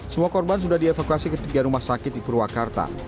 semua korban sudah dievakuasi ketiga rumah sakit di purwakarta